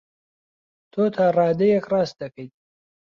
تۆ تا ڕادەیەک ڕاست دەکەیت.